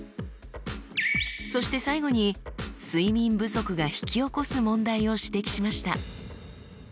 そして最後に睡眠不足が引き起こす問題を指摘しました。